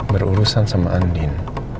berurusan sama andien